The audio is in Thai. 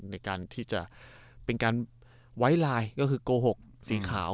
ในการที่จะเป็นการไว้ไลน์ก็คือโกหกสีขาว